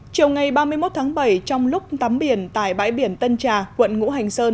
chiều ngày ba mươi một tháng bảy trong lúc tắm biển tại bãi biển tân trà quận ngũ hành sơn